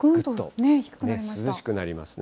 涼しくなりますね。